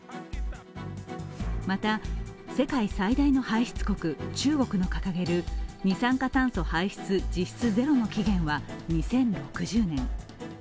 また、世界最大の排出国中国の掲げる二酸化炭素排出実質ゼロの期限は２０６０年。